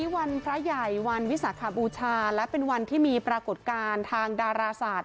วันพระใหญ่วันวิสาขบูชาและเป็นวันที่มีปรากฏการณ์ทางดาราศาสตร์